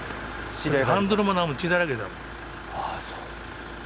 ハンドルも何も血だらけだもん。